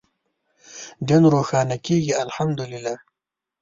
دین روښانه کېږي الحمد لله.